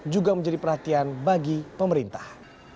juga menjadi perhatian bagi pemerintah